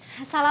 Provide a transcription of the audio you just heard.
eh si abah